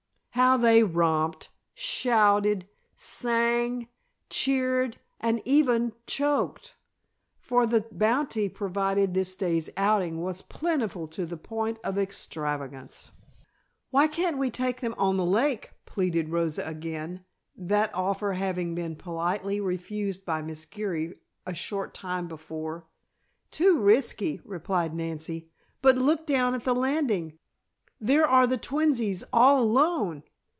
How they romped, shouted, sang, cheered and even choked! For the bounty provided this day's outing was plentiful to the point of extravagance. "Why can't we take them on the lake?" pleaded Rosa again, that offer having been politely refused by Miss Geary a short time before. "Too risky!" replied Nancy. "But look down at the landing! There are the twinnies all alone!"